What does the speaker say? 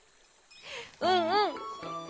うんうん。